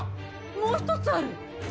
もう１つある！